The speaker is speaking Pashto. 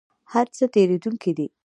هر څه تیریدونکي دي؟